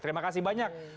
terima kasih banyak